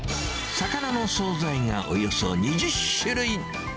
魚の総菜がおよそ２０種類。